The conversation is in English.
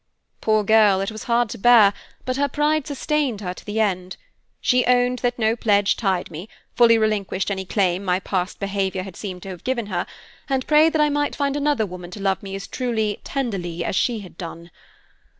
"Poor girl! It was hard to bear, but her pride sustained her to the end. She owned that no pledge tied me, fully relinquished any claim my past behavior had seemed to have given her, and prayed that I might find another woman to love me as truly, tenderly as she had done.